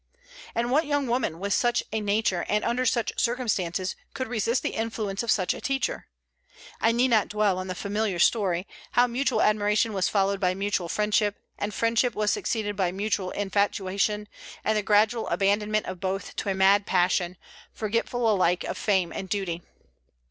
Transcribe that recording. And what young woman with such a nature and under such circumstances could resist the influence of such a teacher? I need not dwell on the familiar story, how mutual admiration was followed by mutual friendship, and friendship was succeeded by mutual infatuation, and the gradual abandonment of both to a mad passion, forgetful alike of fame and duty.